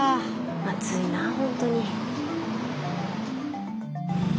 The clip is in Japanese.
暑いなほんとに。